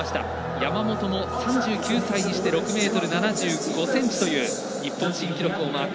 山本も３９歳にして６ｍ７５ｃｍという日本新記録をマーク。